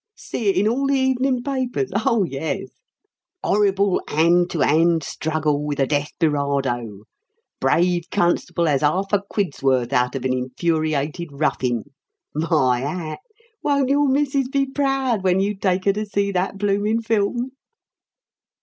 See it in all the evenin' papers oh, yus! ''Orrible hand to hand struggle with a desperado. Brave constable has 'arf a quid's worth out of an infuriated ruffin!' My hat! won't your missis be proud when you take her to see that bloomin' film?"